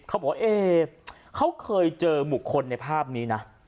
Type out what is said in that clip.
เขาบอกว่าเอ๊เขาเคยเจอบุคคลในภาพนี้นะ